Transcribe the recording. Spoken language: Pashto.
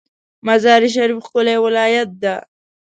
مزار شریف ښکلی ولایت ده